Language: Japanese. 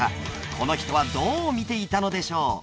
この人はどう見ていたのでしょう？